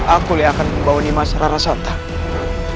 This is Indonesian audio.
aku yang akan membawani masyarakat santan